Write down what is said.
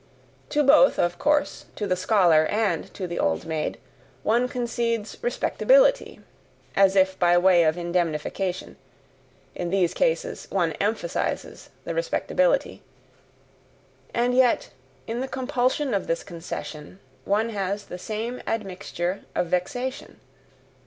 To both, of course, to the scholar and to the old maid, one concedes respectability, as if by way of indemnification in these cases one emphasizes the respectability and yet, in the compulsion of this concession, one has the same admixture of vexation.